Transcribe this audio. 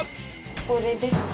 これですね。